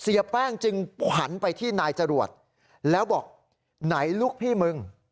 เสียแป้งจึงขวัญไปที่นายจรวดแล้วบอกไหนลูกพี่มึง